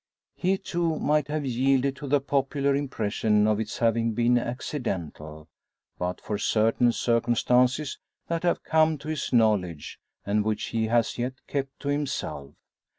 He, too, might have yielded to the popular impression of its having been accidental, but for certain circumstances that have come to his knowledge, and which he has yet kept to himself.